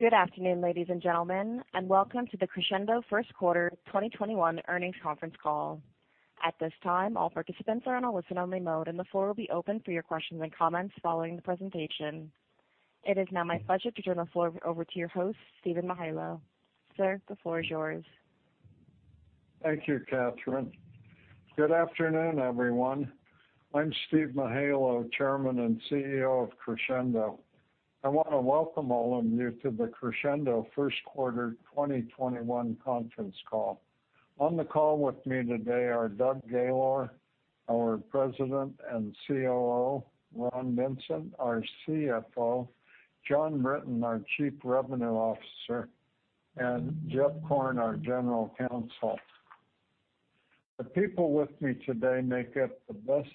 Good afternoon, ladies and gentlemen, and welcome to the Crexendo first quarter 2021 earnings conference call. At this time, all participants are in a listen-only mode, and the floor will be open for your questions and comments following the presentation. It is now my pleasure to turn the floor over to your host, Steven Mihaylo. Sir, the floor is yours. Thank you, Katherine. Good afternoon, everyone. I'm Steven Mihaylo, Chairman and CEO of Crexendo. I want to welcome all of you to the Crexendo first quarter 2021 conference call. On the call with me today are Doug Gaylor, our President and COO, Ron Vincent, our CFO, Jon Brinton, our Chief Revenue Officer, and Jeff Korn, our General Counsel. The people with me today make it the best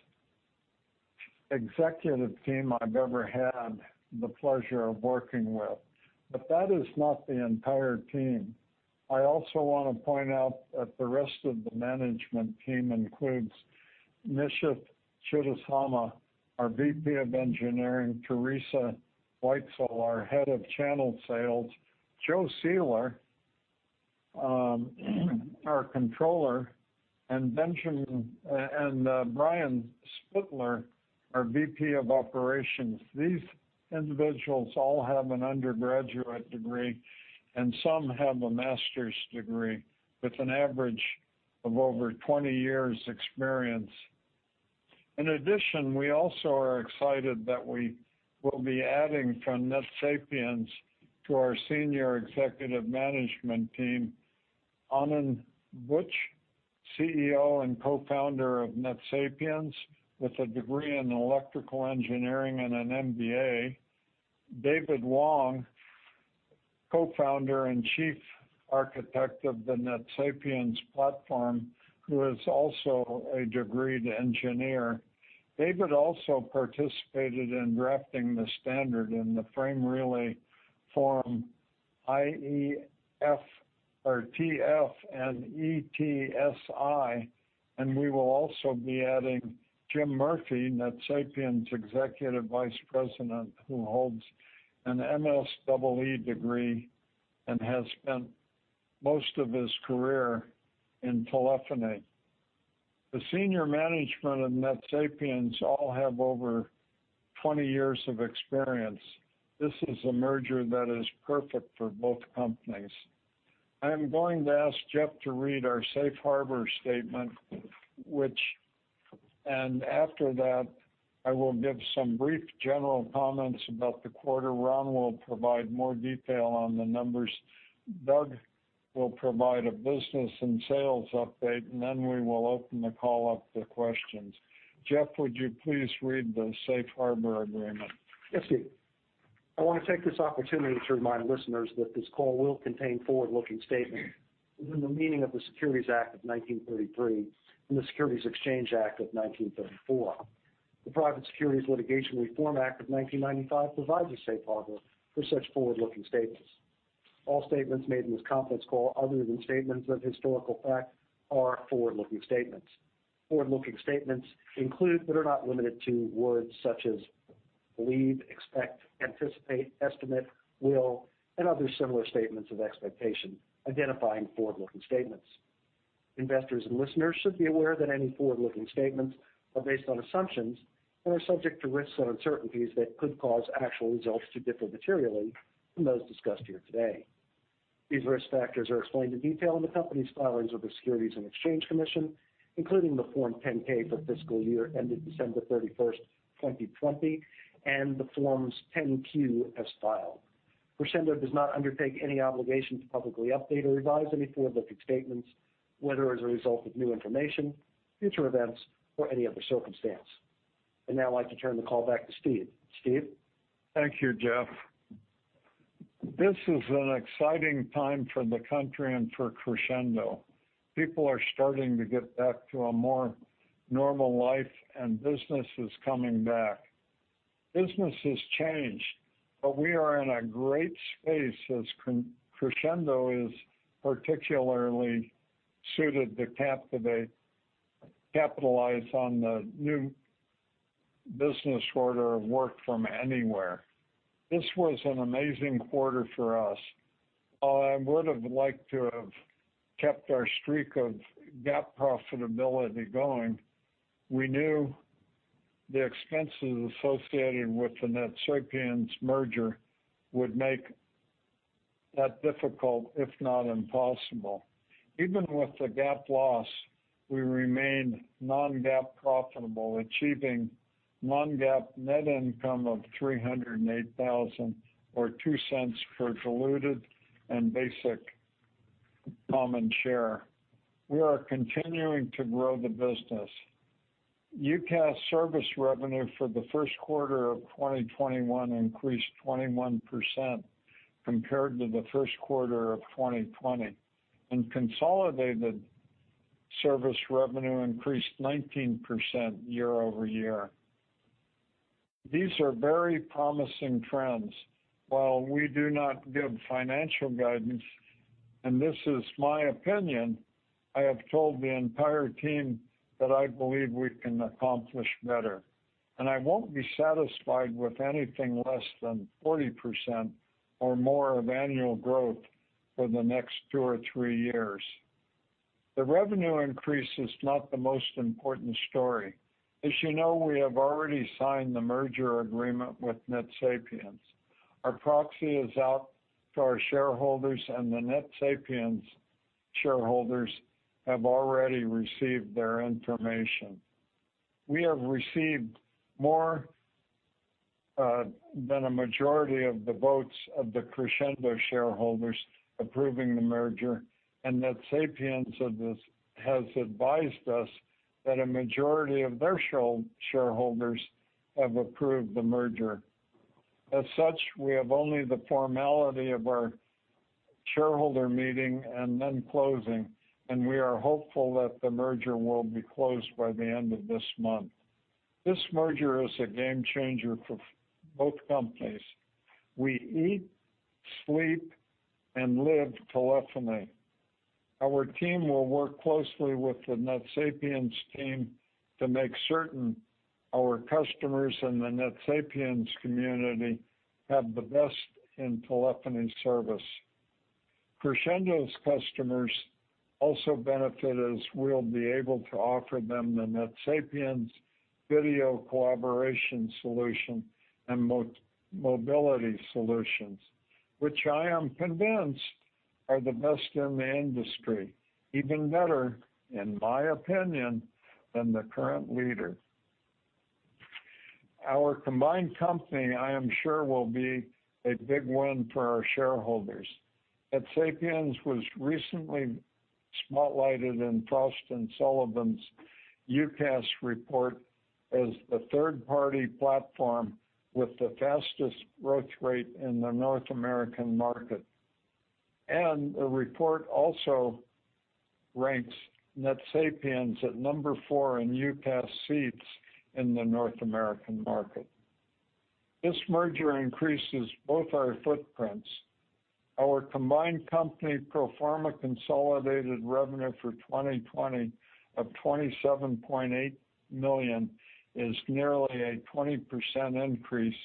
executive team I've ever had the pleasure of working with, but that is not the entire team. I also want to point out that the rest of the management team includes Nishith Chudasama, our VP of Engineering, Theresa Weitzel, our Head of Channel Sales, Joe Seeler, our Controller, and Brian Spitler, our VP of Operations. These individuals all have an undergraduate degree, and some have a master's degree, with an average of over 20 years experience. In addition, we also are excited that we will be adding from NetSapiens to our senior executive management team, Anand Buch, CEO and co-founder of NetSapiens, with a degree in electrical engineering and an MBA, David Wang, co-founder and chief architect of the NetSapiens platform, who is also a degreed engineer. David also participated in drafting the standard in the Frame Relay Forum, IETF and ETSI. We will also be adding Jim Murphy, NetSapiens Executive Vice President, who holds an MSEE degree and has spent most of his career in telephony. The senior management of NetSapiens all have over 20 years of experience. This is a merger that is perfect for both companies. I am going to ask Jeff to read our safe harbor statement. After that, I will give some brief general comments about the quarter. Ron will provide more detail on the numbers. Doug will provide a business and sales update. Then we will open the call up to questions. Jeff, would you please read the safe harbor agreement? Yes, Steve. I want to take this opportunity to remind listeners that this call will contain forward-looking statements within the meaning of the Securities Act of 1933 and the Securities Exchange Act of 1934. The Private Securities Litigation Reform Act of 1995 provides a safe harbor for such forward-looking statements. All statements made in this conference call other than statements of historical fact are forward-looking statements. Forward-looking statements include but are not limited to words such as believe, expect, anticipate, estimate, will, and other similar statements of expectation identifying forward-looking statements. Investors and listeners should be aware that any forward-looking statements are based on assumptions and are subject to risks and uncertainties that could cause actual results to differ materially from those discussed here today. These risk factors are explained in detail in the company's filings with the Securities and Exchange Commission, including the Form 10-K for fiscal year ended December 31st, 2020, and the Form 10-Q, as filed. Crexendo does not undertake any obligation to publicly update or revise any forward-looking statements, whether as a result of new information, future events, or any other circumstance. I'd now like to turn the call back to Steve. Steve? Thank you, Jeff. This is an exciting time for the country and for Crexendo. People are starting to get back to a more normal life, and business is coming back. Business has changed, but we are in a great space as Crexendo is particularly suited to capitalize on the new business order of work from anywhere. This was an amazing quarter for us. While I would've liked to have kept our streak of GAAP profitability going, we knew the expenses associated with the NetSapiens merger would make that difficult, if not impossible. Even with the GAAP loss, we remained non-GAAP profitable, achieving non-GAAP net income of $308,000, or $0.02 per diluted and basic common share. We are continuing to grow the business. UCaaS service revenue for the first quarter of 2021 increased 21% compared to the first quarter of 2020, and consolidated service revenue increased 19% year-over-year. These are very promising trends. While we do not give financial guidance. This is my opinion, I have told the entire team that I believe we can accomplish better, and I won't be satisfied with anything less than 40% or more of annual growth for the next two or three years. The revenue increase is not the most important story. As you know, we have already signed the merger agreement with NetSapiens. Our proxy is out to our shareholders, and the NetSapiens shareholders have already received their information. We have received more than a majority of the votes of the Crexendo shareholders approving the merger, and NetSapiens has advised us that a majority of their shareholders have approved the merger. As such, we have only the formality of our shareholder meeting and then closing, and we are hopeful that the merger will be closed by the end of this month. This merger is a game changer for both companies. We eat, sleep, and live telephony. Our team will work closely with the NetSapiens team to make certain our customers and the NetSapiens community have the best in telephony service. Crexendo's customers also benefit as we'll be able to offer them the NetSapiens video collaboration solution and mobility solutions, which I am convinced are the best in the industry. Even better, in my opinion, than the current leader. Our combined company, I am sure, will be a big win for our shareholders. NetSapiens was recently spotlighted in Frost & Sullivan's UCaaS report as the third-party platform with the fastest growth rate in the North American market. The report also ranks NetSapiens at number 4 in UCaaS seats in the North American market. This merger increases both our footprints. Our combined company pro forma consolidated revenue for 2020 of $27.8 million is nearly a 20% increase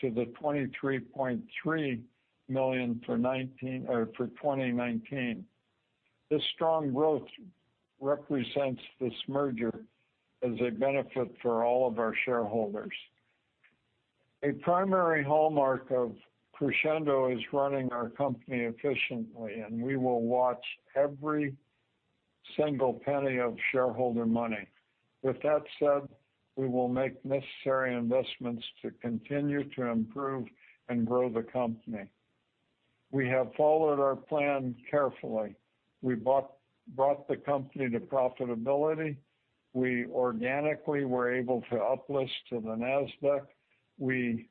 to the $23.3 million for 2019. This strong growth represents this merger as a benefit for all of our shareholders. A primary hallmark of Crexendo is running our company efficiently. We will watch every single penny of shareholder money. With that said, we will make necessary investments to continue to improve and grow the company. We have followed our plan carefully. We brought the company to profitability. We organically were able to up list to the NASDAQ. We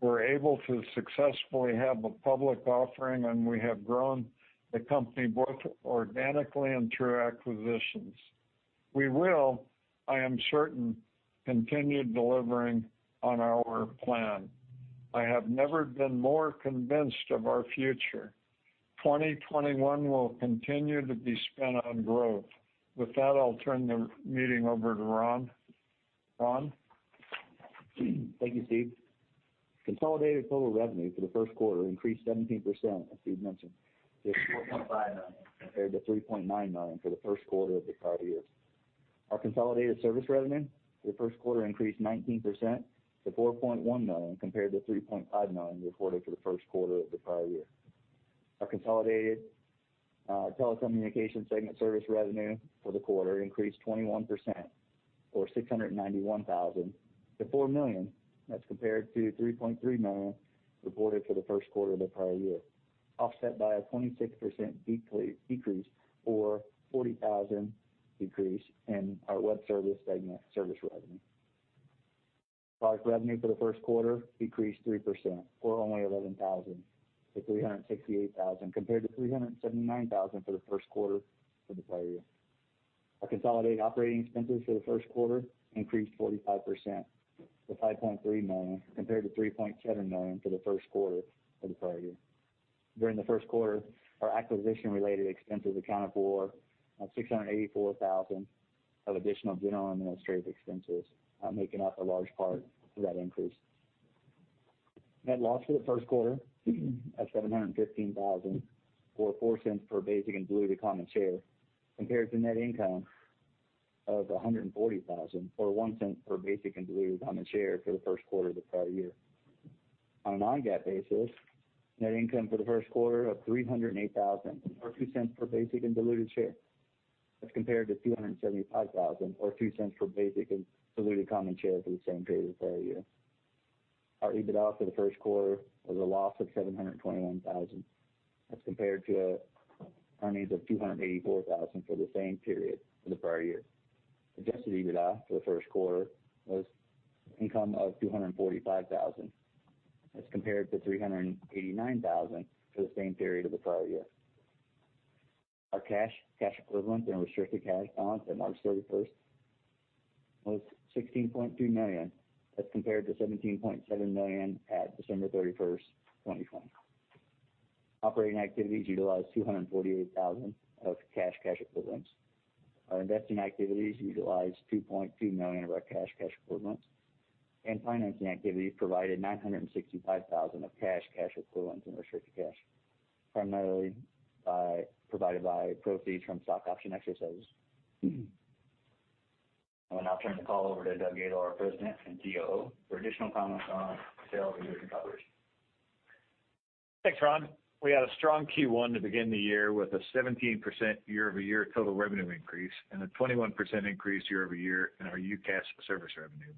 were able to successfully have a public offering. We have grown the company both organically and through acquisitions. We will, I am certain, continue delivering on our plan. I have never been more convinced of our future. 2021 will continue to be spent on growth. With that, I'll turn the meeting over to Ron. Ron? Thank you, Steve. Consolidated total revenue for the first quarter increased 17%, as Steven mentioned, to $4.5 million compared to $3.9 million for the first quarter of the prior year. Our consolidated service revenue for the first quarter increased 19% to $4.1 million, compared to $3.5 million reported for the first quarter of the prior year. Our consolidated telecommunications segment service revenue for the quarter increased 21%, or $691,000 to $4 million. That's compared to $3.3 million reported for the first quarter of the prior year, offset by a 26% decrease, or $40,000 decrease in our web service segment service revenue. Product revenue for the first quarter decreased 3%, or only $11,000, to $368,000, compared to $379,000 for the first quarter of the prior year. Our consolidated operating expenses for the first quarter increased 45%, to $5.3 million, compared to $3.7 million for the first quarter of the prior year. During the first quarter, our acquisition-related expenses accounted for $684,000 of additional general administrative expenses, making up a large part of that increase. Net loss for the first quarter at $715,000, or $0.04 per basic and diluted common share, compared to net income of $140,000, or $0.01 per basic and diluted common share for the first quarter of the prior year. On a non-GAAP basis, net income for the first quarter of $308,000, or $0.02 per basic and diluted share. That's compared to $275,000, or $0.02 per basic and diluted common share for the same period the prior year. Our EBITDA for the first quarter was a loss of $721,000. That's compared to earnings of $284,000 for the same period for the prior year. Adjusted EBITDA for the first quarter was income of $245,000. That's compared to $389,000 for the same period of the prior year. Our cash equivalents, and restricted cash balance at March 31st. Was $16.2 million as compared to $17.7 million at December 31st, 2020. Operating activities utilized $248,000 of cash equivalents. Our investing activities utilized $2.2 million of our cash equivalents, and financing activities provided $965,000 of cash equivalents, and restricted cash, primarily provided by proceeds from stock option exercises. I will now turn the call over to Doug Gaylor, President and COO, for additional comments on sales and merger coverage. Thanks, Ron. We had a strong Q1 to begin the year with a 17% year-over-year total revenue increase and a 21% increase year-over-year in our UCaaS service revenue.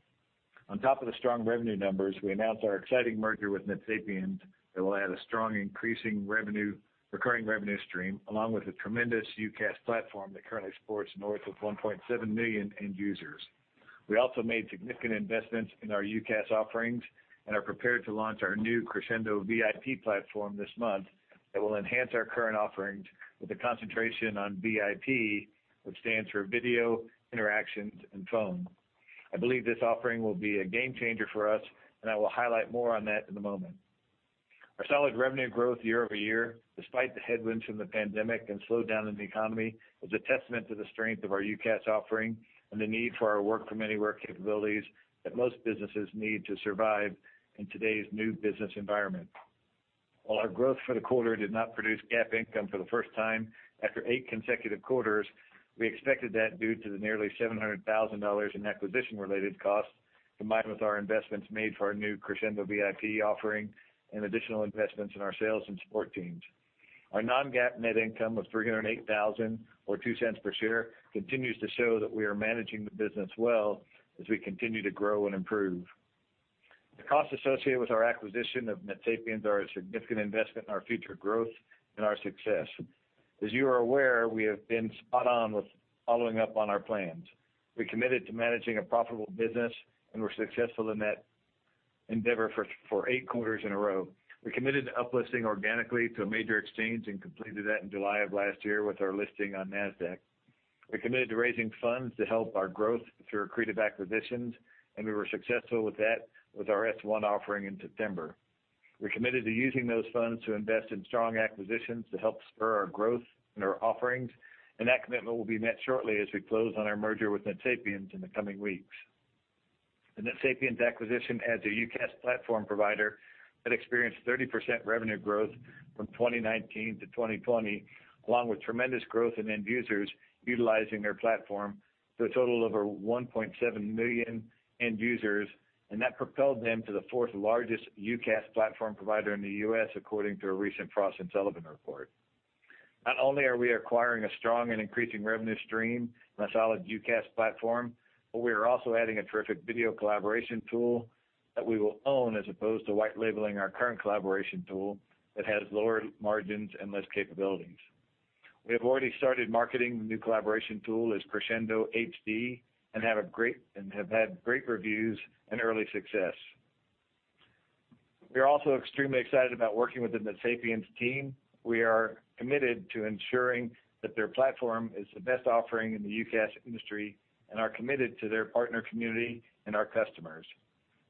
On top of the strong revenue numbers, we announced our exciting merger with NetSapiens that will add a strong increasing recurring revenue stream, along with a tremendous UCaaS platform that currently supports north of 1.7 million end users. We also made significant investments in our UCaaS offerings and are prepared to launch our new Crexendo VIP platform this month that will enhance our current offerings with a concentration on VIP, which stands for Video Interactions and Phone. I believe this offering will be a game changer for us, and I will highlight more on that in a moment. Our solid revenue growth year-over-year, despite the headwinds from the pandemic and slowdown in the economy, was a testament to the strength of our UCaaS offering and the need for our work from anywhere capabilities that most businesses need to survive in today's new business environment. While our growth for the quarter did not produce GAAP income for the first time after eight consecutive quarters, we expected that due to the nearly $700,000 in acquisition-related costs, combined with our investments made for our new Crexendo VIP offering and additional investments in our sales and support teams. Our non-GAAP net income was $308,000, or $0.02 per share, continues to show that we are managing the business well as we continue to grow and improve. The costs associated with our acquisition of NetSapiens are a significant investment in our future growth and our success. As you are aware, we have been spot on with following up on our plans. We committed to managing a profitable business, and we're successful in that endeavor for eight quarters in a row. We committed to up-listing organically to a major exchange. We completed that in July of last year with our listing on NASDAQ. We committed to raising funds to help our growth through accretive acquisitions, and we were successful with that with our S-1 offering in September. We committed to using those funds to invest in strong acquisitions to help spur our growth and our offerings. That commitment will be met shortly as we close on our merger with NetSapiens in the coming weeks. The NetSapiens acquisition adds a UCaaS platform provider that experienced 30% revenue growth from 2019 to 2020, along with tremendous growth in end users utilizing their platform to a total over 1.7 million end users, and that propelled them to the fourth-largest UCaaS platform provider in the U.S., according to a recent Frost & Sullivan report. Not only are we acquiring a strong and increasing revenue stream and a solid UCaaS platform, but we are also adding a terrific video collaboration tool that we will own as opposed to white labeling our current collaboration tool that has lower margins and less capabilities. We have already started marketing the new collaboration tool as CrexendoHD and have had great reviews and early success. We are also extremely excited about working with the NetSapiens team. We are committed to ensuring that their platform is the best offering in the UCaaS industry and are committed to their partner community and our customers.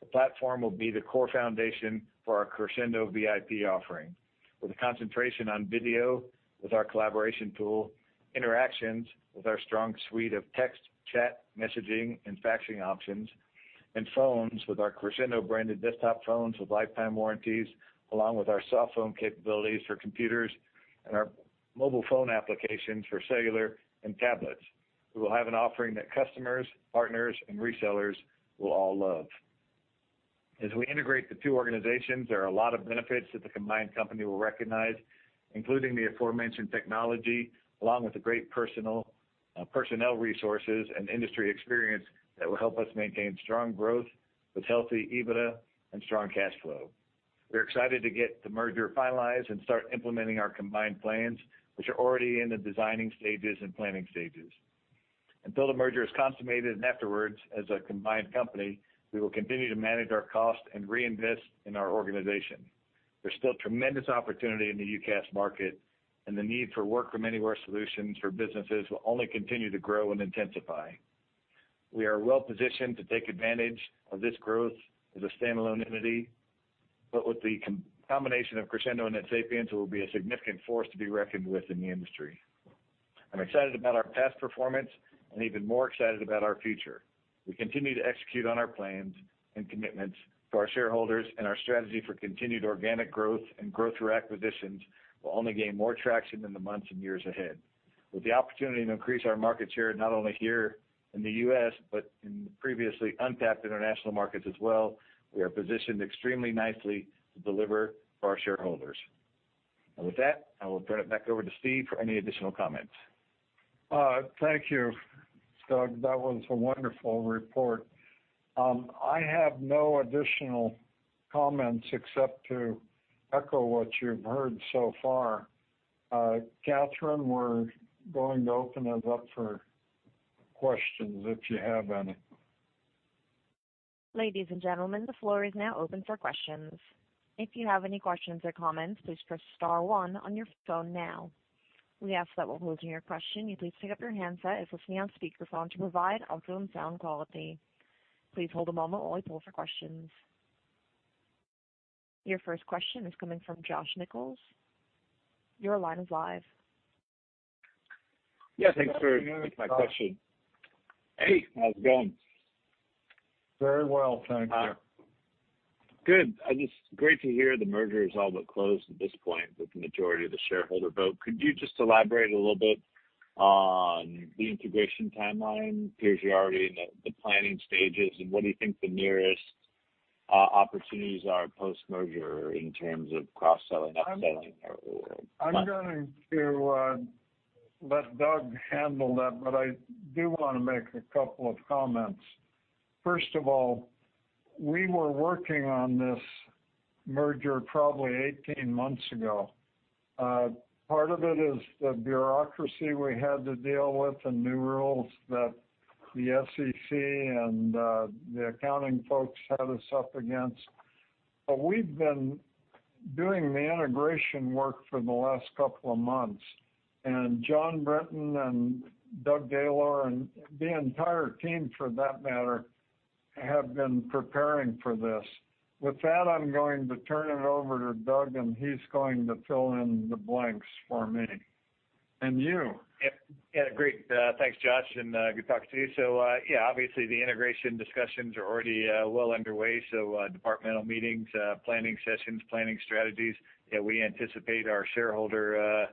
The platform will be the core foundation for our Crexendo VIP offering. With a concentration on video with our collaboration tool, interactions with our strong suite of text, chat, messaging, and faxing options, and phones with our Crexendo-branded desktop phones with lifetime warranties, along with our cell phone capabilities for computers and our mobile phone applications for cellular and tablets. We will have an offering that customers, partners, and resellers will all love. As we integrate the two organizations, there are a lot of benefits that the combined company will recognize, including the aforementioned technology, along with the great personnel resources and industry experience that will help us maintain strong growth with healthy EBITDA and strong cash flow. We're excited to get the merger finalized and start implementing our combined plans, which are already in the designing stages and planning stages. Until the merger is consummated, and afterwards as a combined company, we will continue to manage our cost and reinvest in our organization. There's still tremendous opportunity in the UCaaS market, and the need for work from anywhere solutions for businesses will only continue to grow and intensify. We are well-positioned to take advantage of this growth as a standalone entity. With the combination of Crexendo and NetSapiens, it will be a significant force to be reckoned with in the industry. I'm excited about our past performance and even more excited about our future. We continue to execute on our plans and commitments to our shareholders, and our strategy for continued organic growth and growth through acquisitions will only gain more traction in the months and years ahead. With the opportunity to increase our market share, not only here in the U.S., but in previously untapped international markets as well, we are positioned extremely nicely to deliver for our shareholders. With that, I will turn it back over to Steve for any additional comments. Thank you, Doug. That was a wonderful report. I have no additional comments except to echo what you've heard so far. Katherine, we're going to open it up for questions if you have any. Ladies and gentlemen, the floor is now open for questions. If you have any questions or comments, please press star one on your phone now. We ask that while posing your question, you please pick up your handset if listening on speakerphone to provide optimum sound quality. Please hold a moment while we poll for questions. Your first question is coming from Josh Nichols. Your line is live. Thanks for taking my question. Hey, how's it going? Very well, thank you. Good. It's great to hear the merger is all but closed at this point with the majority of the shareholder vote. Could you just elaborate a little bit on the integration timeline? It appears you're already in the planning stages. What do you think the nearest opportunities are post-merger in terms of cross-selling, upselling, or? I'm going to let Doug handle that, but I do want to make a couple of comments. First of all, we were working on this merger probably 18 months ago. Part of it is the bureaucracy we had to deal with and new rules that the SEC and the accounting folks had us up against. We've been doing the integration work for the last couple of months, and Jon Brinton and Doug Gaylor and the entire team, for that matter, have been preparing for this. With that, I'm going to turn it over to Doug, and he's going to fill in the blanks for me. You. Great. Thanks, Josh, and good talking to you. Obviously the integration discussions are already well underway, so departmental meetings, planning sessions, planning strategies. We anticipate our shareholder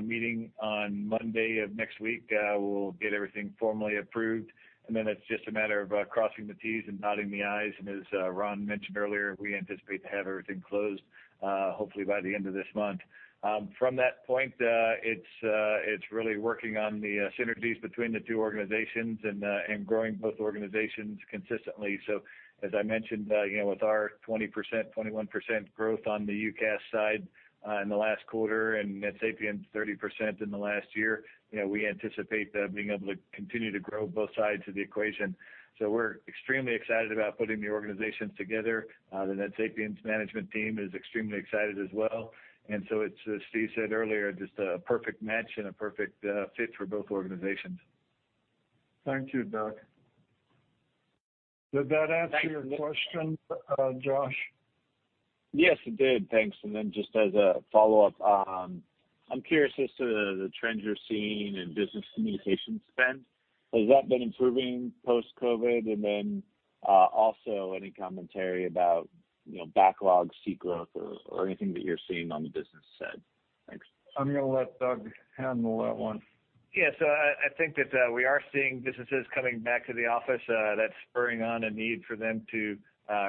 meeting on Monday of next week. We'll get everything formally approved, and then it's just a matter of crossing the T's and dotting the I's. As Ron mentioned earlier, we anticipate to have everything closed hopefully by the end of this month. From that point, it's really working on the synergies between the two organizations and growing both organizations consistently. As I mentioned, with our 20%, 21% growth on the UCaaS side in the last quarter and NetSapiens 30% in the last year, we anticipate being able to continue to grow both sides of the equation. We're extremely excited about putting the organizations together. The NetSapiens management team is extremely excited as well. It's, as Steve said earlier, just a perfect match and a perfect fit for both organizations. Thank you, Doug. Did that answer your question, Josh? Yes, it did. Thanks. Just as a follow-up, I'm curious as to the trends you're seeing in business communication spend. Has that been improving post-COVID? Also any commentary about backlog, CCaaS growth or anything that you're seeing on the business side. Thanks. I'm going to let Doug handle that one. Yeah. I think that we are seeing businesses coming back to the office. That's spurring on a need for them to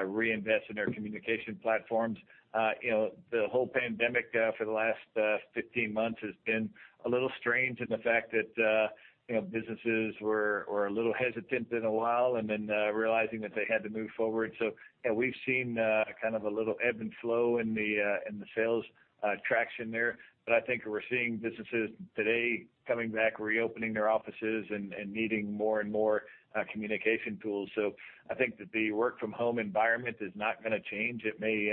reinvest in their communication platforms. The whole pandemic for the last 15 months has been a little strange in the fact that businesses were a little hesitant in a while, and then realizing that they had to move forward. Yeah, we've seen kind of a little ebb and flow in the sales traction there. I think we're seeing businesses today coming back, reopening their offices, and needing more and more communication tools. I think that the work from home environment is not going to change. It may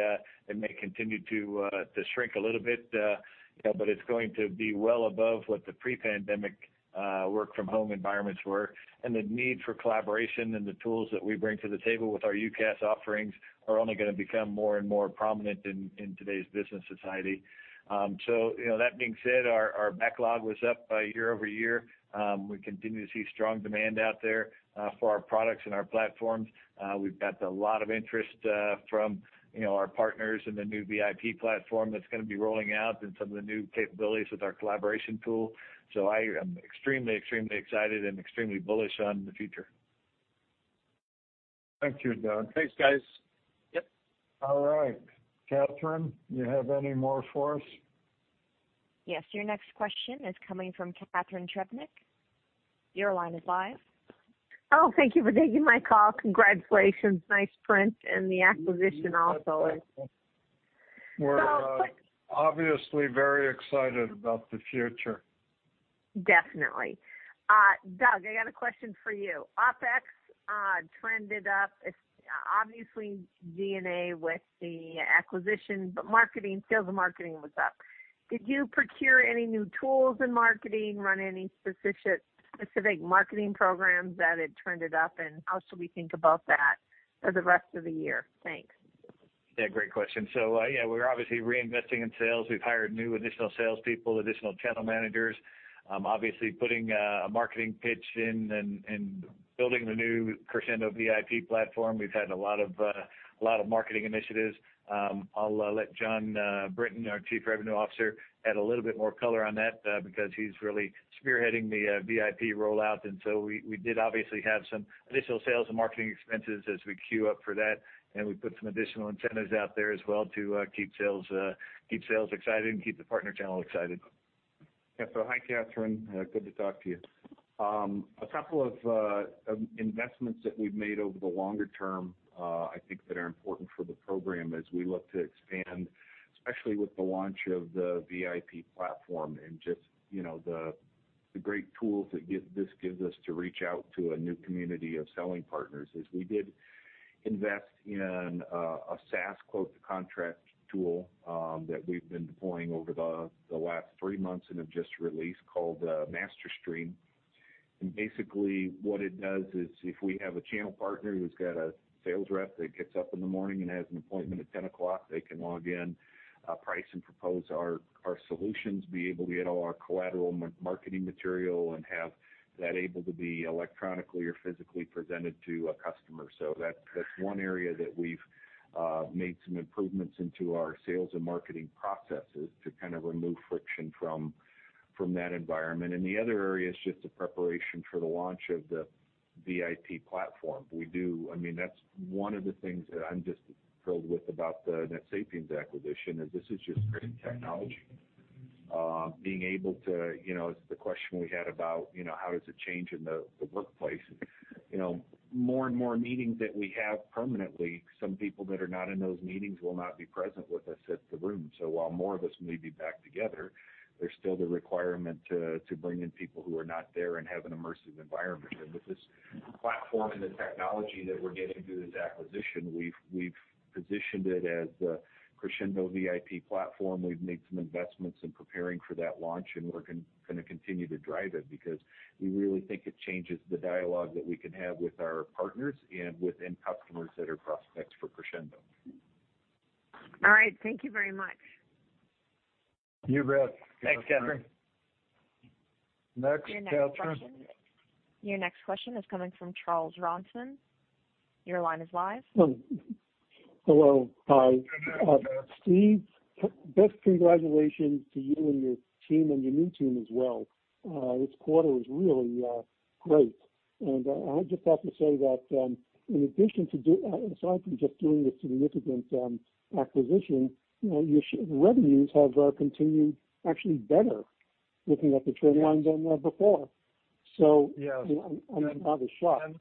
continue to shrink a little bit, but it's going to be well above what the pre-pandemic work from home environments were. The need for collaboration and the tools that we bring to the table with our UCaaS offerings are only going to become more and more prominent in today's business society. That being said, our backlog was up year-over-year. We continue to see strong demand out there for our products and our platforms. We've got a lot of interest from our partners in the new VIP platform that's going to be rolling out and some of the new capabilities with our collaboration tool. I am extremely excited and extremely bullish on the future. Thank you, Doug. Thanks, guys. Yep. All right. Katherine, you have any more for us? Yes. Your next question is coming from Catharine Trebnick. Your line is live. Oh, thank you for taking my call. Congratulations. Nice print. The acquisition also. We're obviously very excited about the future. Definitely. Doug, I got a question for you. OpEx trended up, it's obviously D&A with the acquisition, but marketing, sales and marketing was up. Did you procure any new tools in marketing, run any specific marketing programs that had trended up, how should we think about that for the rest of the year? Thanks. Great question. We're obviously reinvesting in sales, we've hired new additional salespeople, additional channel managers. Obviously putting a marketing pitch in and building the new Crexendo VIP platform, we've had a lot of marketing initiatives. I'll let Jon Brinton, our Chief Revenue Officer, add a little bit more color on that, because he's really spearheading the VIP rollout. We did obviously have some additional sales and marketing expenses as we queue up for that, and we put some additional incentives out there as well to keep sales excited and keep the partner channel excited. Yeah. Hi, Catharine, good to talk to you. A couple of investments that we've made over the longer term I think that are important for the program as we look to expand, especially with the launch of the VIP platform and just the great tools that this gives us to reach out to a new community of selling partners is we did invest in a SaaS quote-to-contract tool that we've been deploying over the last three months and have just released, called MasterStream. Basically, what it does is if we have a channel partner who's got a sales rep that gets up in the morning and has an appointment at 10 o'clock, they can log in, price and propose our solutions, be able to get all our collateral marketing material, and have that able to be electronically or physically presented to a customer. That's one area that we've made some improvements into our sales and marketing processes to kind of remove friction from that environment. The other area is just the preparation for the launch of the VIP platform. That's one of the things that I'm just thrilled with about the NetSapiens acquisition, is this is just great technology. The question we had about how does it change in the workplace. More and more meetings that we have permanently, some people that are not in those meetings will not be present with us at the room. While more of us may be back together, there's still the requirement to bring in people who are not there and have an immersive environment. With this platform and the technology that we're getting through this acquisition, we've positioned it as the Crexendo VIP platform. We've made some investments in preparing for that launch, and we're going to continue to drive it because we really think it changes the dialogue that we can have with our partners and within customers that are prospects for Crexendo. All right. Thank you very much. You bet. Thanks, Catharine. Next, Katherine. Your next question is coming from Charles Ronson. Your line is live. Hello. Hi. Good day, Charles. Steve, best congratulations to you and your team and your new team as well. This quarter was really great. I just have to say that, aside from just doing this significant acquisition, the revenues have continued actually better, looking at the trend lines than before. Yes. I'm impressed.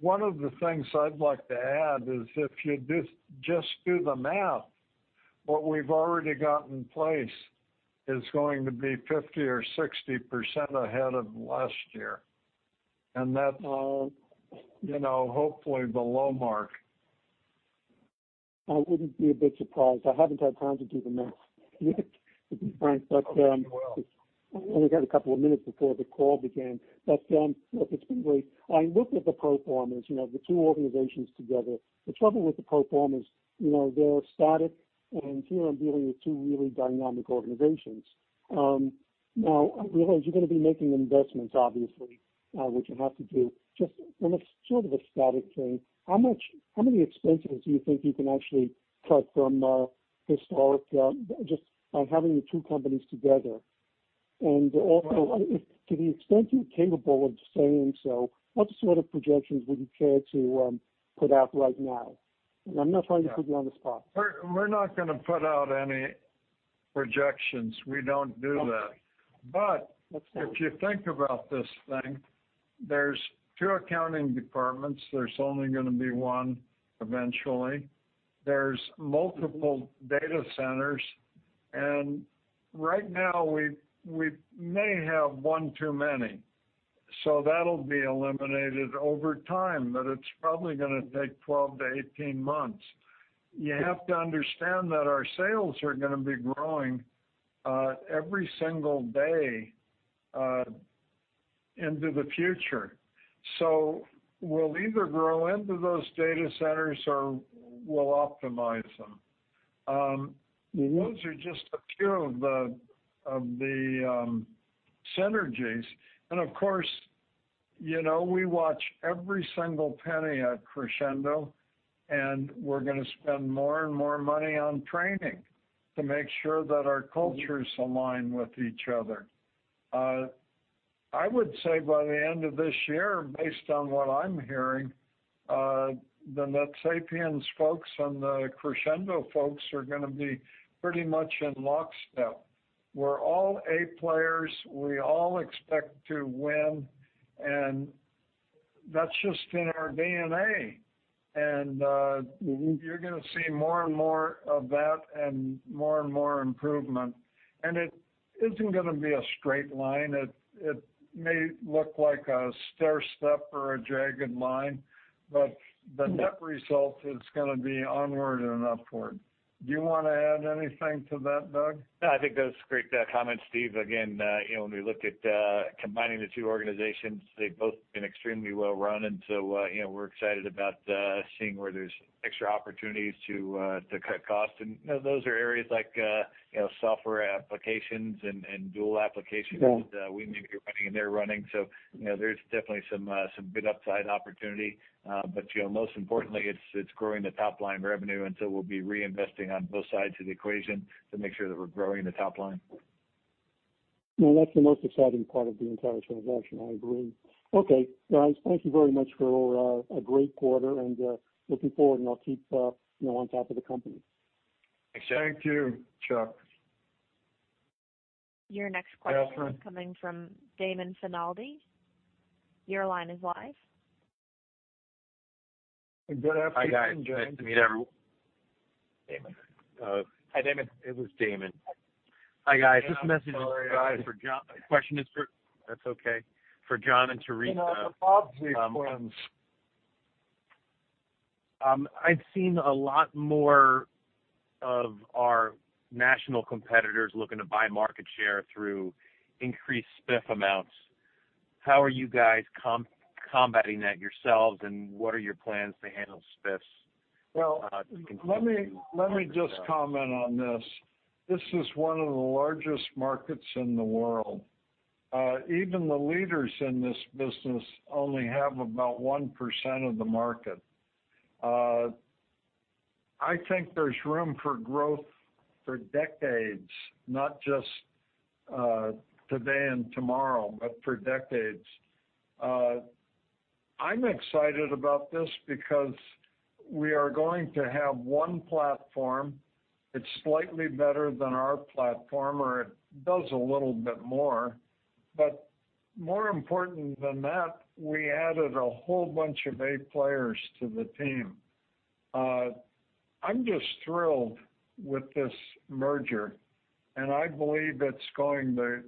One of the things I'd like to add is if you just do the math, what we've already got in place is going to be 50% or 60% ahead of last year. Wow. That's hopefully below mark. I wouldn't be a bit surprised. I haven't had time to do the math, to be frank. You will. I only had a couple of minutes before the call began, but it's been great. I looked at the pro formas, the two organizations together. The trouble with the pro formas, they're static, and here I'm dealing with two really dynamic organizations. I realize you're going to be making investments, obviously, which you have to do. Just from a sort of a static thing, how many expenses do you think you can actually cut from a historic, just by having the two companies together? Also, to the extent you're capable of saying so, what sort of projections would you care to put out right now? I'm not trying to put you on the spot. We're not going to put out any projections. We don't do that. Okay. That's fair. If you think about this thing, there's two accounting departments, there's only going to be one eventually. There's multiple data centers. Right now, we may have one too many. That'll be eliminated over time, but it's probably going to take 12-18 months. You have to understand that our sales are going to be growing every single day into the future. We'll either grow into those data centers or we'll optimize them. Those are just a few of the synergies. Of course, we watch every single penny at Crexendo, and we're going to spend more and more money on training to make sure that our cultures align with each other. I would say by the end of this year, based on what I'm hearing, the NetSapiens folks and the Crexendo folks are going to be pretty much in lockstep. We're all A players. We all expect to win, that's just in our DNA. You're going to see more and more of that and more and more improvement. It isn't going to be a straight line. It may look like a stair step or a jagged line, but the net result is going to be onward and upward. Do you want to add anything to that, Doug? No, I think that was great comments, Steve. Again, when we looked at combining the two organizations, they've both been extremely well-run, and so we're excited about seeing where there's extra opportunities to cut costs. Those are areas like software applications and dual applications that we may be running and they're running. Most importantly, it's growing the top-line revenue, and so we'll be reinvesting on both sides of the equation to make sure that we're growing the top line. That's the most exciting part of the entire transaction, I agree. Okay, guys, thank you very much for a great quarter, and looking forward, and I'll keep on top of the company. Thanks, Chuck. Thank you, Chuck. Your next question- Katherine is coming from Damon Finaldi. Your line is live. Good afternoon, gentlemen. Hi, guys. Nice to meet everyone. Damon. Hi, Damon. It was Damon. Hi. Hi, guys. This message is for Jon Brinton. My question is for, if that's okay, for Jon Brinton and Theresa Weitzel. No, it's no problem. I've seen a lot more of our national competitors looking to buy market share through increased spiff amounts. How are you guys combating that yourselves, and what are your plans to handle spiffs going forward? Well, let me just comment on this. This is one of the largest markets in the world. Even the leaders in this business only have about 1% of the market. I think there's room for growth for decades, not just today and tomorrow, but for decades. I'm excited about this because we are going to have one platform. It's slightly better than our platform, or it does a little bit more. More important than that, we added a whole bunch of A players to the team. I'm just thrilled with this merger, and I believe it's going to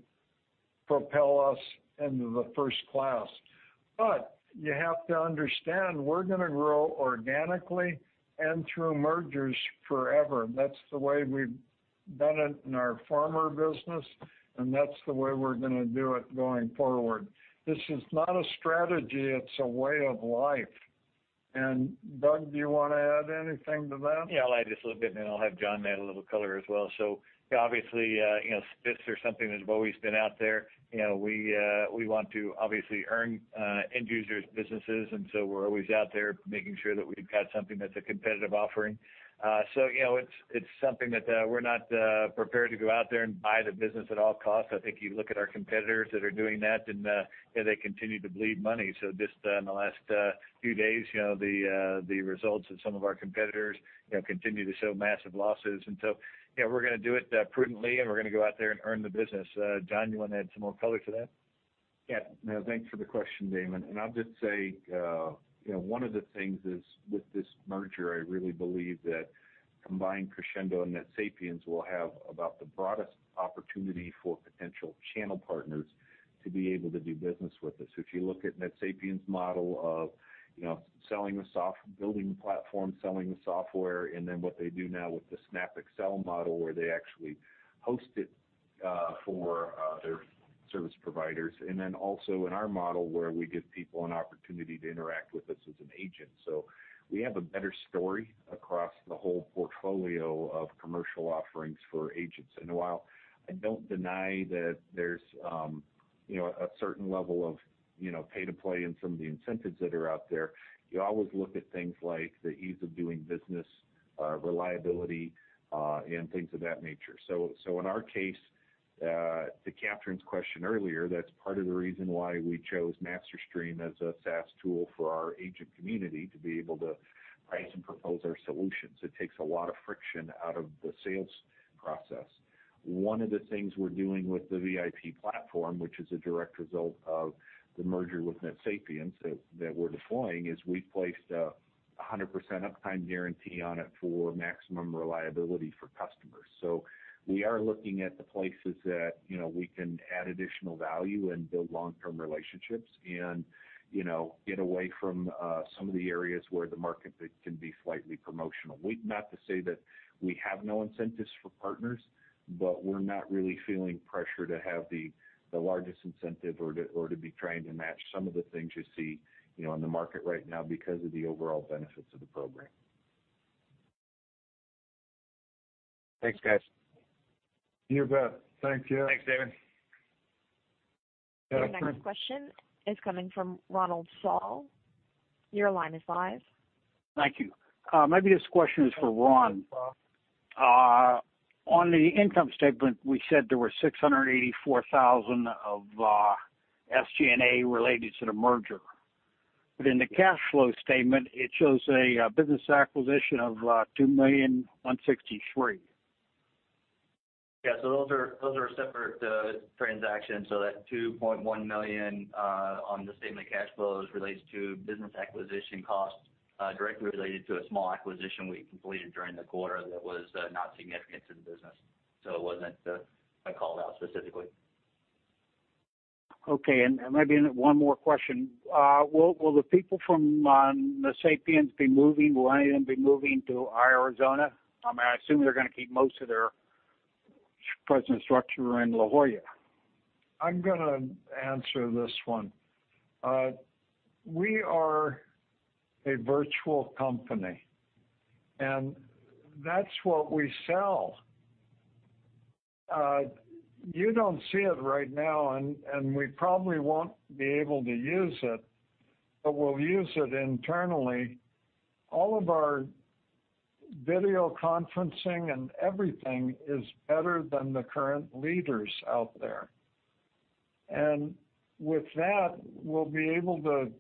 propel us into the first class. You have to understand, we're going to grow organically and through mergers forever. That's the way we've done it in our former business, and that's the way we're going to do it going forward. This is not a strategy. It's a way of life. Doug, do you want to add anything to that? Yeah, I'll add just a little bit, and then I'll have Jon add a little color as well. Obviously, spiffs are something that have always been out there. We want to obviously earn end users' businesses, we're always out there making sure that we've got something that's a competitive offering. It's something that we're not prepared to go out there and buy the business at all costs. I think you look at our competitors that are doing that, they continue to bleed money. Just in the last few days, the results of some of our competitors continue to show massive losses. We're going to do it prudently, we're going to go out there and earn the business. Jon, do you want to add some more color to that? Thanks for the question, Damon. I'll just say, one of the things is, with this merger, I really believe that combined Crexendo and NetSapiens will have about the broadest opportunity for potential channel partners to be able to do business with us. If you look at NetSapiens' model of building the platform, selling the software, and then what they do now with the SnapExcel model, where they actually host it for their service providers. Also in our model, where we give people an opportunity to interact with us as an agent. We have a better story across the whole portfolio of commercial offerings for agents. While I don't deny that there's a certain level of pay to play in some of the incentives that are out there, you always look at things like the ease of doing business, reliability, and things of that nature. In our case, to Catharine's question earlier, that's part of the reason why we chose MasterStream as a SaaS tool for our agent community to be able to price and propose our solutions. It takes a lot of friction out of the sales process. One of the things we're doing with the VIP platform, which is a direct result of the merger with NetSapiens that we're deploying, is we placed 100% uptime guarantee on it for maximum reliability for customers. We are looking at the places that we can add additional value and build long-term relationships and get away from some of the areas where the market can be slightly promotional. Not to say that we have no incentives for partners, but we're not really feeling pressure to have the largest incentive or to be trying to match some of the things you see in the market right now because of the overall benefits of the program. Thanks, guys. You bet. Thank you. Thanks, Damon. Yeah, sure. Your next question is coming from Ronald Saul. Your line is live. Thank you. Maybe this question is for Ron. On the income statement, we said there was $684,000 of SG&A related to the merger. In the cash flow statement, it shows a business acquisition of $2,163,000. Yeah, those are separate transactions. That $2.1 million on the statement cash flow is related to business acquisition costs directly related to a small acquisition we completed during the quarter that was not significant to the business. It wasn't called out specifically. Okay, maybe one more question. Will the people from NetSapiens be moving? Will any of them be moving to Arizona? I assume they're going to keep most of their present structure in La Jolla. I'm going to answer this one. We are a virtual company, and that's what we sell. You don't see it right now, and we probably won't be able to use it, but we'll use it internally. All of our video conferencing and everything is better than the current leaders out there. With that, we'll be able to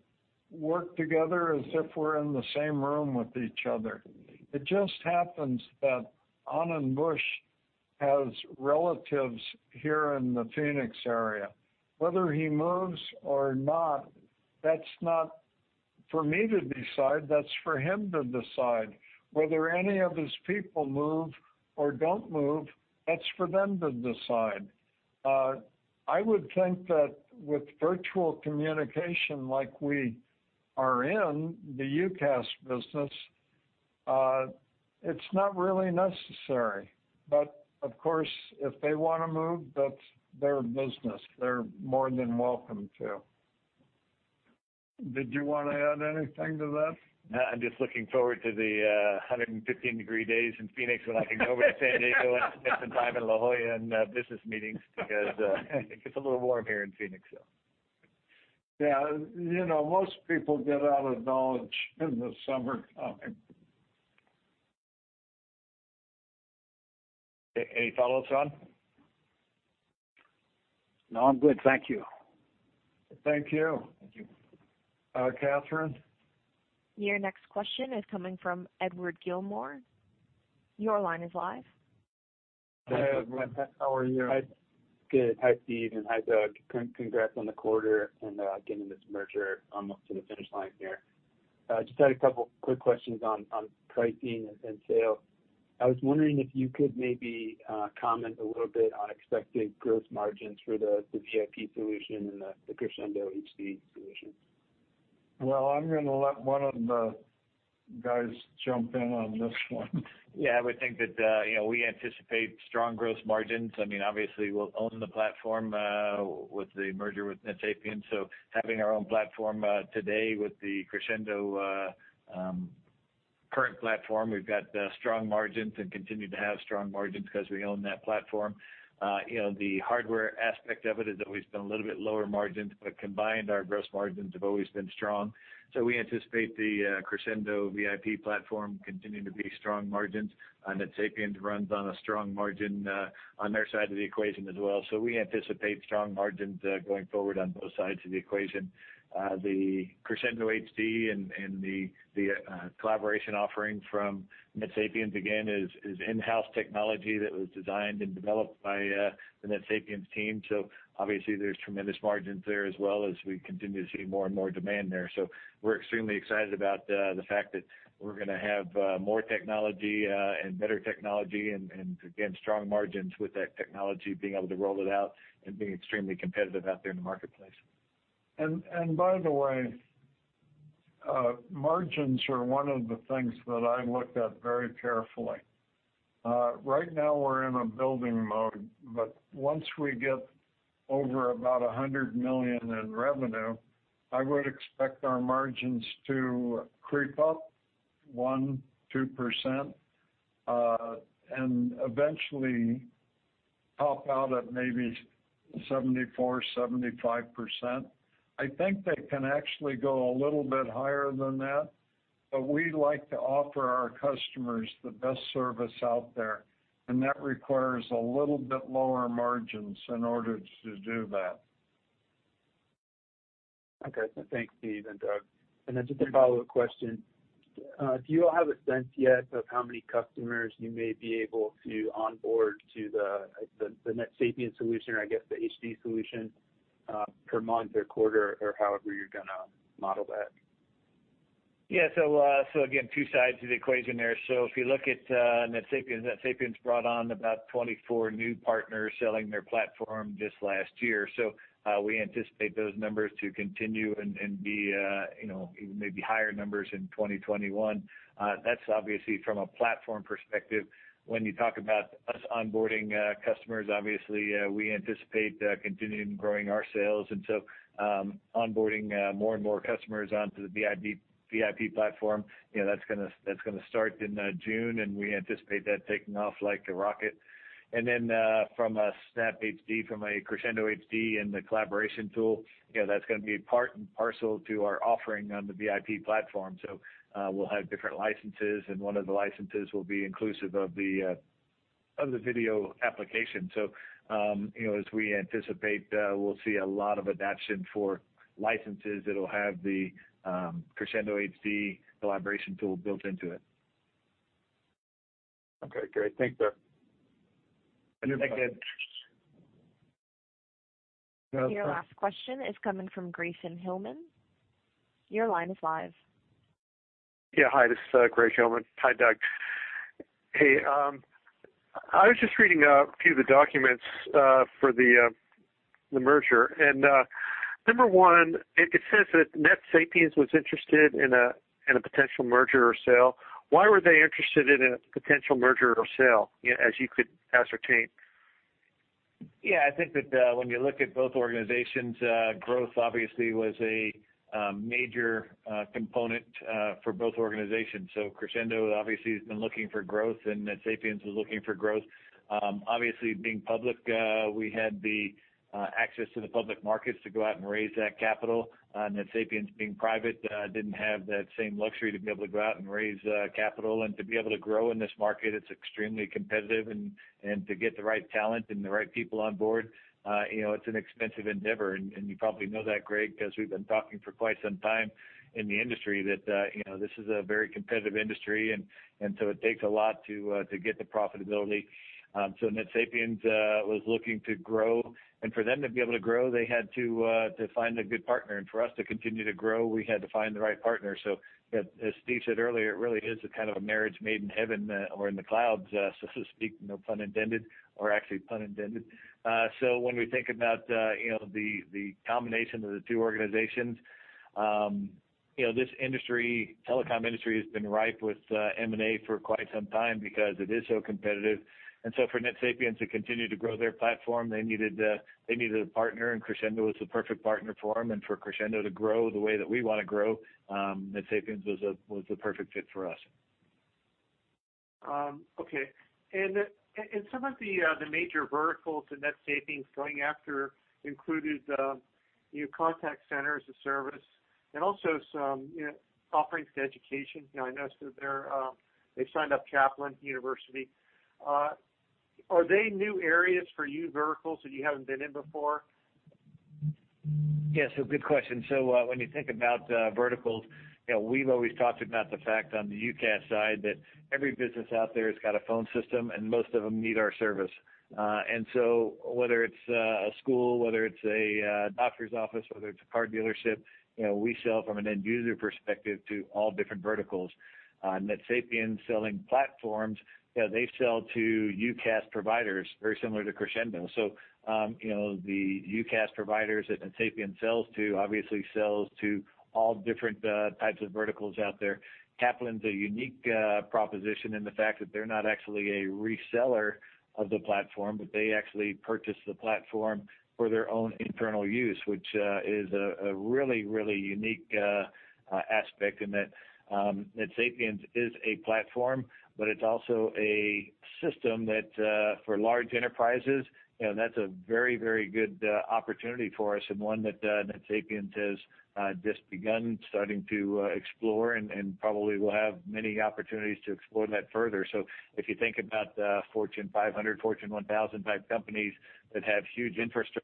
work together as if we're in the same room with each other. It just happens that Anand Buch has relatives here in the Phoenix area. Whether he moves or not, that's not for me to decide. That's for him to decide. Whether any of his people move or don't move, that's for them to decide. I would think that with virtual communication like we are in, the UCaaS business, it's not really necessary. Of course, if they want to move, that's their business. They're more than welcome to. Did you want to add anything to that? I'm just looking forward to the 115-degree days in Phoenix when I can go over to San Diego and spend some time in La Jolla in business meetings because it gets a little warm here in Phoenix. Yeah. Most people get out of Dodge in the summer time. Any follow-ups, Ron? No, I'm good. Thank you. Thank you. Thank you. Katherine? Your next question is coming from Edward Gilmore. Your line is live. Hi, everyone. How are you? Good. Hi, Steve, and hi, Doug. Congrats on the quarter and getting this merger almost to the finish line here. Just had a couple of quick questions on pricing and sale. I was wondering if you could maybe comment a little bit on expected gross margins for the VIP solution and the CrexendoHD solution. Well, I'm going to let one of the guys jump in on this one. Yeah, I would think that we anticipate strong gross margins. Obviously, we'll own the platform with the merger with NetSapiens. Having our own platform today with the Crexendo current platform, we've got strong margins and continue to have strong margins because we own that platform. The hardware aspect of it has always been a little bit lower margins, but combined, our gross margins have always been strong. We anticipate the Crexendo VIP platform continuing to be strong margins. NetSapiens runs on a strong margin on their side of the equation as well. We anticipate strong margins going forward on both sides of the equation. The CrexendoHD and the collaboration offering from NetSapiens, again, is in-house technology that was designed and developed by the NetSapiens team. Obviously, there's tremendous margins there as well as we continue to see more and more demand there. We're extremely excited about the fact that we're going to have more technology and better technology and, again, strong margins with that technology, being able to roll it out and being extremely competitive out there in the marketplace. By the way, margins are one of the things that I looked at very carefully. Right now we're in a building mode, but once we get over about $100 million in revenue, I would expect our margins to creep up 1%, 2%, and eventually top out at maybe 74%, 75%. I think they can actually go a little bit higher than that, but we like to offer our customers the best service out there, and that requires a little bit lower margins in order to do that. Okay. Thanks, Steve and Doug. Just a follow-up question. Do you all have a sense yet of how many customers you may be able to onboard to the NetSapiens solution, or I guess the HD solution, per month or quarter or however you're going to model that? Again, two sides to the equation there. If you look at NetSapiens brought on about 24 new partners selling their platform just last year. We anticipate those numbers to continue, and be maybe higher numbers in 2021. That's obviously from a platform perspective. When you talk about us onboarding customers, obviously, we anticipate continuing growing our sales. Onboarding more and more customers onto the VIP platform, that's going to start in June, and we anticipate that taking off like a rocket. From a SnapHD, from a CrexendoHD and the collaboration tool, that's going to be part and parcel to our offering on the VIP platform. We'll have different licenses, and one of the licenses will be inclusive of the video application. As we anticipate, we'll see a lot of adoption for licenses that'll have the CrexendoHD collaboration tool built into it. Okay, great. Thanks, Doug. Thank you. No problem. Your last question is coming from Grayson Hillman. Your line is live. Yeah, hi, this is Greg Hillman. Hi, Doug. Hey, I was just reading a few of the documents for the merger, and number one, it says that NetSapiens was interested in a potential merger or sale. Why were they interested in a potential merger or sale as you could ascertain? I think that when you look at both organizations, growth obviously was a major component for both organizations. Crexendo obviously has been looking for growth, and NetSapiens was looking for growth. Being public, we had the access to the public markets to go out and raise that capital. NetSapiens, being private, didn't have that same luxury to be able to go out and raise capital. To be able to grow in this market, it's extremely competitive, and to get the right talent and the right people on board, it's an expensive endeavor. You probably know that, Greg, because we've been talking for quite some time in the industry that this is a very competitive industry, it takes a lot to get to profitability. NetSapiens was looking to grow, and for them to be able to grow, they had to find a good partner, and for us to continue to grow, we had to find the right partner. As Steve said earlier, it really is a kind of a marriage made in heaven or in the clouds, so to speak, no pun intended, or actually pun intended. When we think about the combination of the two organizations. This telecom industry has been ripe with M&A for quite some time because it is so competitive. For NetSapiens to continue to grow their platform, they needed a partner, and Crexendo was the perfect partner for them. For Crexendo to grow the way that we want to grow, NetSapiens was the perfect fit for us. Okay. Some of the major verticals that NetSapiens is going after included contact center as a service and also some offerings to education. I noticed that they've signed up Kaplan University. Are they new areas for you, verticals that you haven't been in before? Yes, a good question. When you think about verticals, we've always talked about the fact on the UCaaS side that every business out there has got a phone system, and most of them need our service. Whether it's a school, whether it's a doctor's office, whether it's a car dealership, we sell from an end-user perspective to all different verticals. NetSapiens selling platforms, they sell to UCaaS providers very similar to Crexendo. The UCaaS providers that NetSapiens sells to obviously sells to all different types of verticals out there. Kaplan's a unique proposition in the fact that they're not actually a reseller of the platform, but they actually purchase the platform for their own internal use, which is a really unique aspect in that NetSapiens is a platform, but it's also a system that for large enterprises, that's a very good opportunity for us and one that NetSapiens has just begun starting to explore and probably will have many opportunities to explore that further. If you think about the Fortune 500, Fortune 1000 type companies that have huge infrastructure,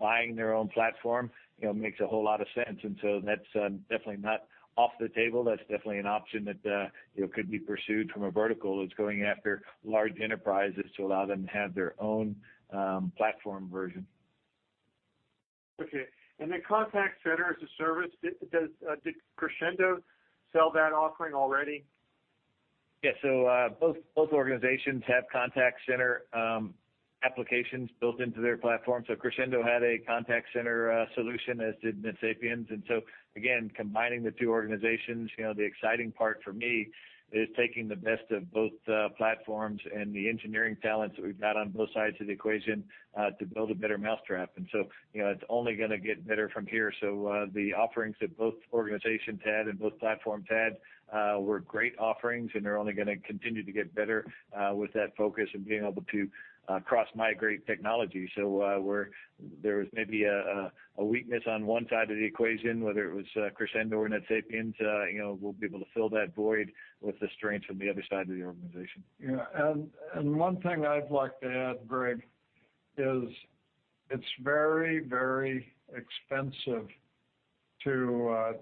buying their own platform makes a whole lot of sense. That's definitely not off the table. That's definitely an option that could be pursued from a vertical that's going after large enterprises to allow them to have their own platform version. Okay. The contact center as a service, did Crexendo sell that offering already? Yes. Both organizations have contact center applications built into their platform. Crexendo had a contact center solution, as did NetSapiens. Again, combining the two organizations, the exciting part for me is taking the best of both platforms and the engineering talents that we've got on both sides of the equation to build a better mousetrap. It's only gonna get better from here. The offerings that both organizations had and both platforms had were great offerings, and they're only gonna continue to get better with that focus of being able to cross-migrate technology. There was maybe a weakness on one side of the equation, whether it was Crexendo or NetSapiens, we'll be able to fill that void with the strengths from the other side of the organization. Yeah. One thing I'd like to add, Greg, is it's very, very expensive to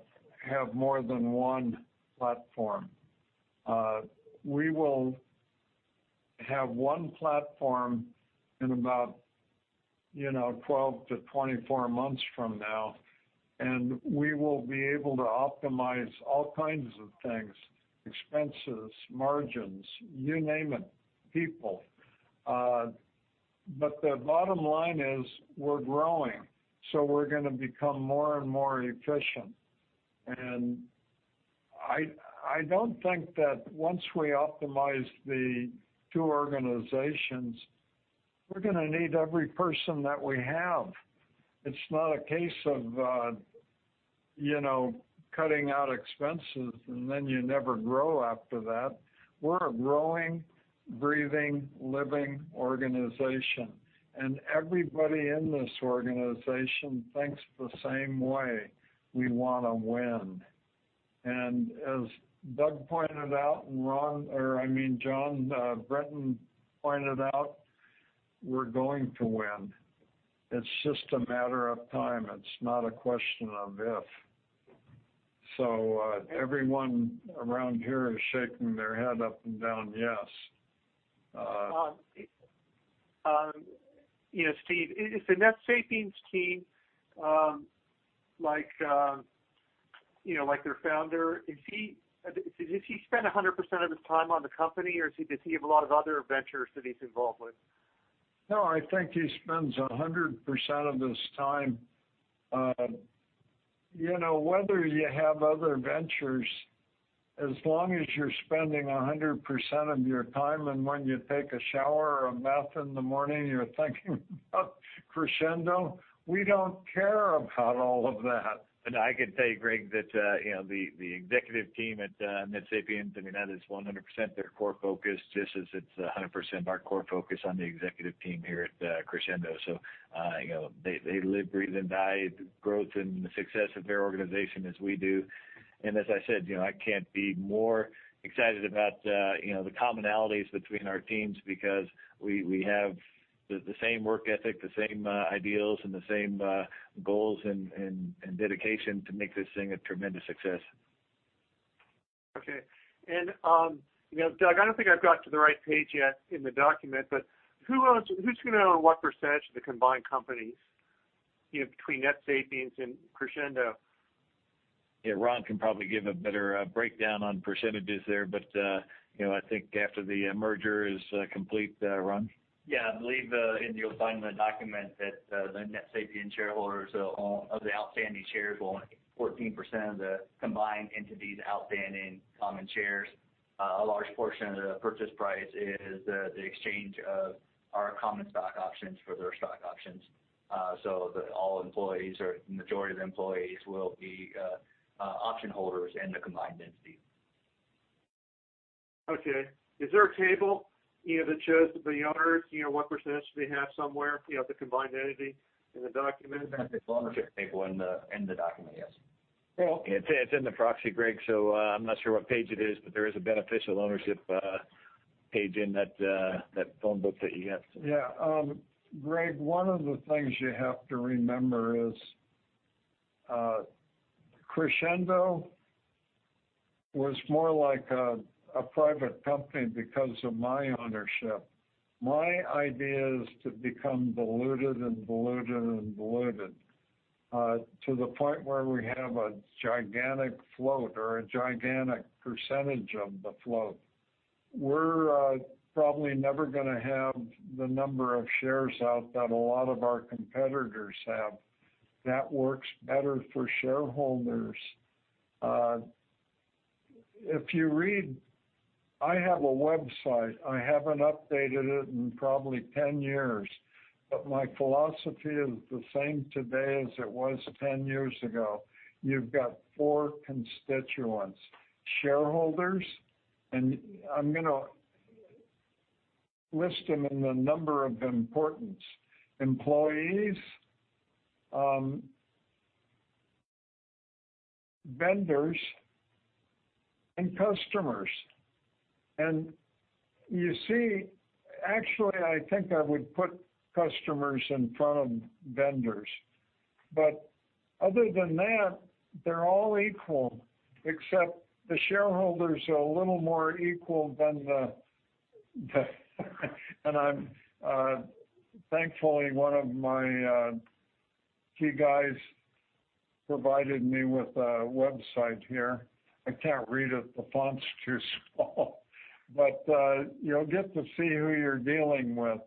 have more than one platform. We will have one platform in about 12-24 months from now, and we will be able to optimize all kinds of things, expenses, margins, you name it, people. The bottom line is we're growing, so we're gonna become more and more efficient. I don't think that once we optimize the two organizations, we're gonna need every person that we have. It's not a case of cutting out expenses and then you never grow after that. We're a growing, breathing, living organization, and everybody in this organization thinks the same way. We wanna win. As Doug pointed out, and Ron, or I mean, Jon Brinton pointed out, we're going to win. It's just a matter of time. It's not a question of if. Everyone around here is shaking their head up and down yes. Steve, is the NetSapiens team, like their founder, does he spend 100% of his time on the company, or does he have a lot of other ventures that he's involved with? No, I think he spends 100% of his time. Whether you have other ventures, as long as you're spending 100% of your time, and when you take a shower or a bath in the morning, you're thinking about Crexendo, we don't care about all of that. I can tell you, Greg, that the executive team at NetSapiens, that is 100% their core focus, just as it's 100% our core focus on the executive team here at Crexendo. They live, breathe, and die the growth and the success of their organization as we do. As I said, I can't be more excited about the commonalities between our teams because we have the same work ethic, the same ideals, and the same goals, and dedication to make this thing a tremendous success. Okay. Doug, I don't think I've got to the right page yet in the document, but who's gonna own what percentage of the combined companies between NetSapiens and Crexendo? Yeah, Ron can probably give a better breakdown on percentages there, but I think after the merger is complete, Ron? Yeah, I believe, and you'll find in the document that the NetSapiens shareholders of the outstanding shares will own 14% of the combined entity's outstanding common shares. A large portion of the purchase price is the exchange of our common stock options for their stock options. All employees, or majority of the employees, will be option holders in the combined entity. Okay. Is there a table that shows the owners, what percentage they have somewhere of the combined entity in the document? There's a beneficial ownership table in the document, yes. Okay. It's in the proxy, Greg, so I'm not sure what page it is, but there is a beneficial ownership page in that phone book that you have. Yeah. Greg, one of the things you have to remember is Crexendo was more like a private company because of my ownership. My idea is to become diluted, and diluted, and diluted, to the point where we have a gigantic float or a gigantic percentage of the float. We're probably never going to have the number of shares out that a lot of our competitors have. That works better for shareholders. If you read, I have a website. I haven't updated it in probably 10 years, but my philosophy is the same today as it was 10 years ago. You've got four constituents, shareholders, and I'm going to list them in the number of importance. Employees, vendors, and customers. You see, actually, I think I would put customers in front of vendors. Other than that, they're all equal, except the shareholders are a little more equal than the -- I'm thankfully, one of my key guys provided me with a website here. I can't read it, the font's too small. You'll get to see who you're dealing with.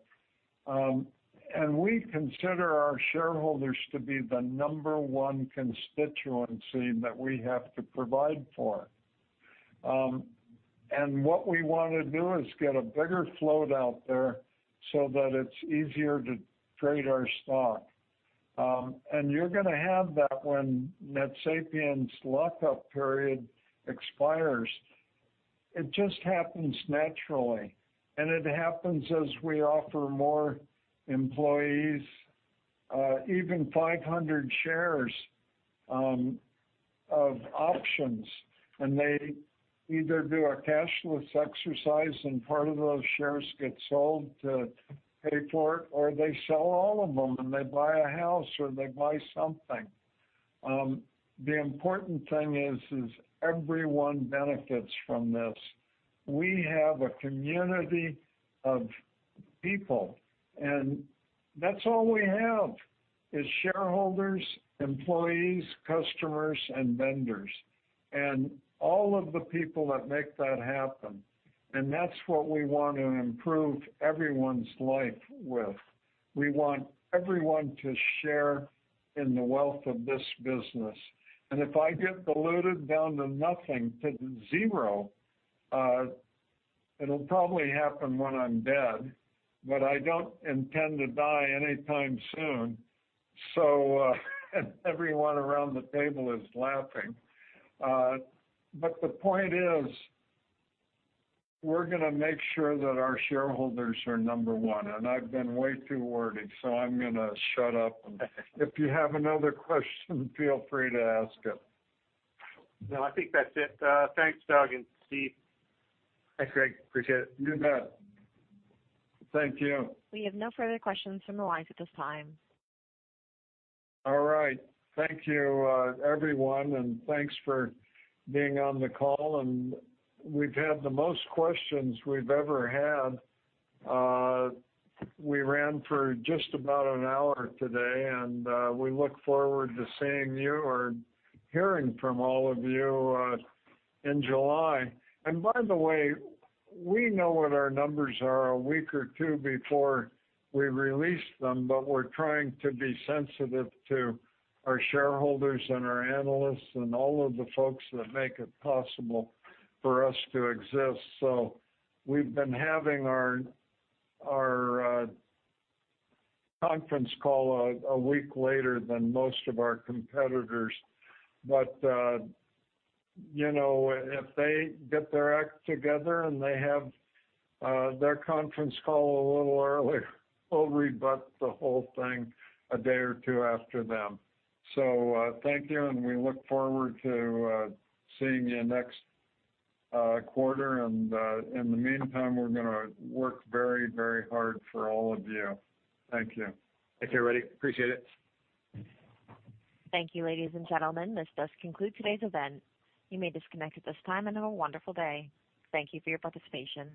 We consider our shareholders to be the number one constituency that we have to provide for. What we want to do is get a bigger float out there so that it's easier to trade our stock. You're going to have that when NetSapiens' lock-up period expires. It just happens naturally, and it happens as we offer more employees, even 500 shares of options, and they either do a cashless exercise and part of those shares get sold to pay for it, or they sell all of them and they buy a house or they buy something. The important thing is everyone benefits from this. We have a community of people, and that's all we have, is shareholders, employees, customers, and vendors. All of the people that make that happen. That's what we want to improve everyone's life with. We want everyone to share in the wealth of this business, and if I get diluted down to nothing, to zero, it'll probably happen when I'm dead. I don't intend to die anytime soon, so everyone around the table is laughing. The point is, we're going to make sure that our shareholders are number one, and I've been way too wordy, so I'm going to shut up. If you have another question, feel free to ask it. No, I think that's it. Thanks, Doug and Steve. Thanks, Greg. Appreciate it. You bet. Thank you. We have no further questions from the lines at this time. All right. Thank you, everyone, and thanks for being on the call. We've had the most questions we've ever had. We ran for just about an hour today, and we look forward to seeing you or hearing from all of you in July. By the way, we know what our numbers are a week or two before we release them, but we're trying to be sensitive to our shareholders and our analysts and all of the folks that make it possible for us to exist. We've been having our conference call a week later than most of our competitors. If they get their act together and they have their conference call a little earlier, we'll rebut the whole thing a day or two after them. Thank you, and we look forward to seeing you next quarter. In the meantime, we're going to work very hard for all of you. Thank you. Thanks everybody. Appreciate it. Thank you, ladies and gentlemen, this does conclude today's event. You may disconnect at this time, and have a wonderful day. Thank you for your participation.